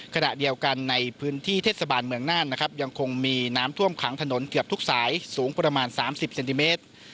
ขณะเดียวกันในพื้นที่เทศบาลเมืองน่านนะครับยังคงมีน้ำท่วมขังถนนเกือบทุกสายสูงประมาณ๓๐เซนติเมตร